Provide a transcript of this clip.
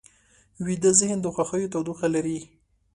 ویده ذهن د خوښیو تودوخه لري